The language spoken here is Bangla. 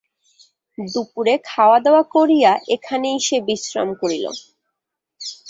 দুপুরে খাওয়াদাওয়া করিয়া এখানেই সে বিশ্রাম করিল।